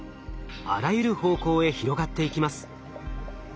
あらゆる方向へ広がっていきます。